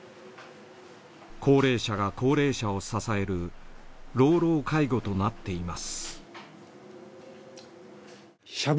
高齢者が高齢者を支える老老介護となっています。